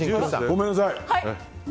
ごめんなさい。